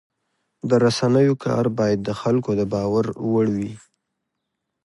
د رسنیو کار باید د خلکو د باور وړ وي.